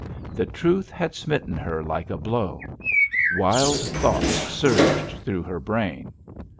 The truth had smitten her like a blow. Wild thoughts surged through her brain.